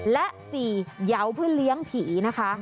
และ๔เหยาเพื่อเลี้ยงผีนะคะ